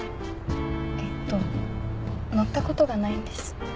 えっと乗ったことがないんです。